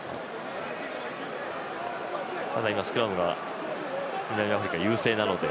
ただ、スクラムが南アフリカ優勢なので。